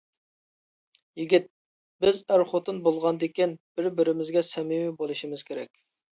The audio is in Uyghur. يىگىت: بىز ئەر-خوتۇن بولغاندىكىن بىر-بىرىمىزگە سەمىمىي بولۇشىمىز كېرەك.